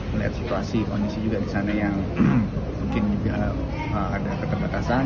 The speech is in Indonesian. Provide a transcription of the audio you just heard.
melihat situasi kondisi juga di sana yang mungkin juga ada keterbatasan